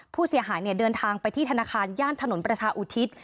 ผู้เสียหายเดินทางไปที่ธนาคารย่านถนนประชาอุทิศ